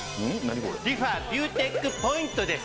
リファビューテックポイントです。